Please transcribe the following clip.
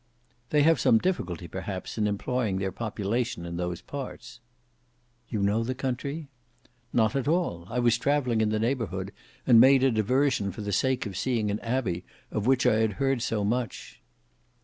"They have some difficulty perhaps in employing their population in those parts." "You know the country?" "Not at all: I was travelling in the neighbourhood, and made a diversion for the sake of seeing an abbey of which I had heard so much."